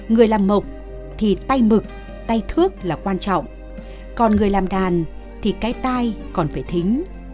người làm mộc thì tay mực tay thước là quan trọng còn người làm đàn thì cái tai còn phải thính